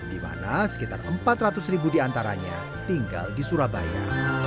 dimana sekitar empat ratus ribu diantaranya tinggal di surabaya